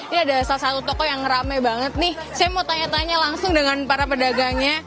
ini ada salah satu toko yang rame banget nih saya mau tanya tanya langsung dengan para pedagangnya